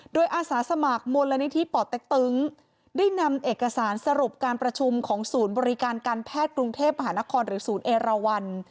โดยอาสาสมัครมูลนิธิป่อเต็กตึงได้นำเอกสารสรุปการประชุมของศูนย์บริการการแพทย์กรุงเทพมหานครหรือศูนย์เอราวัน